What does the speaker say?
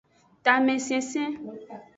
Tamesensen.